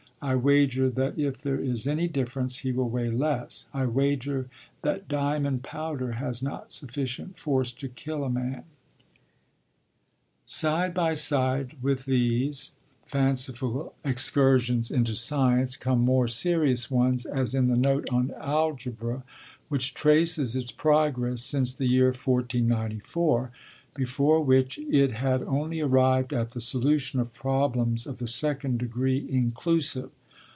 I wager that if there is any difference, he will weigh less. I wager that diamond powder has not sufficient force to kill a man. Side by side with these fanciful excursions into science, come more serious ones, as in the note on Algebra, which traces its progress since the year 1494, before which 'it had only arrived at the solution of problems of the second degree, inclusive.'